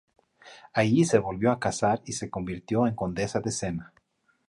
Allí se volvió a casar y se convirtió en Condesa de Sena.